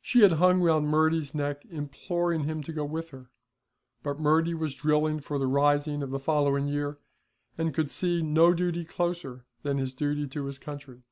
She had hung round Murty's neck imploring him to go with her, but Murty was drilling for the rising of the following year, and could see no duty closer than his duty to his country.